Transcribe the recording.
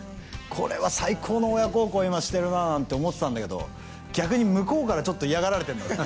「これは最高の親孝行今してるな」なんて思ってたんだけど逆に向こうからちょっと嫌がられてるんだね